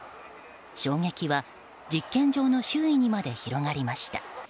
衝撃は、実験場の周囲にまで広がりました。